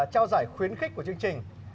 trao giải khuyến khích của chương trình